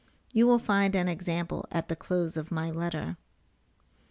You will find an example at the close of my letter.